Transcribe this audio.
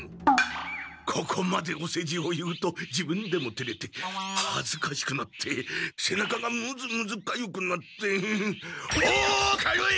ここまでおせじを言うと自分でもてれてはずかしくなってせなかがむずむずかゆくなっておおかゆい！